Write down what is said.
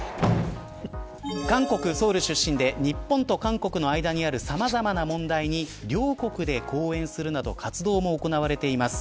韓国、ソウル出身で、日本と韓国の間にあるさまざまな問題に両国で講演するなど活動も行われています。